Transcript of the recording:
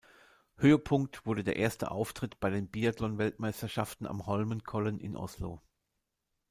Höhepunkt wurde der erste Auftritt bei den Biathlon-Weltmeisterschaften am Holmenkollen in Oslo.